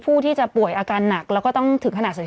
เพื่อไม่ให้เชื้อมันกระจายหรือว่าขยายตัวเพิ่มมากขึ้น